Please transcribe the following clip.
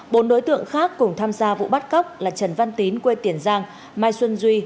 bốn đối tượng khác cùng tham gia vụ bắt cóc là trần văn tín quê tiền giang mai xuân duy